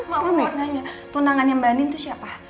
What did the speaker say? maaf mau nanya tunangan yang mbak anin tuh siapa